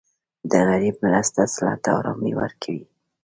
د غریب مرسته زړه ته ارامي ورکوي.